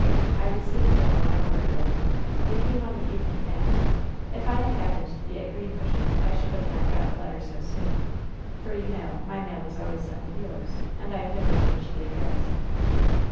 I received them one hour ago. They came on the evening mail. If I had happened to be at Greenbushes, I should not have got the letter so soon, for, you know, my mail was always sent with yours, and I have never changed the address."